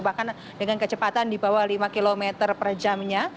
bahkan dengan kecepatan di bawah lima km per jamnya